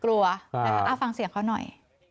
กลัวเอ้าฟังเสียงเขาหน่อย